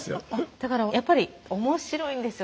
だからやっぱり面白いんですよ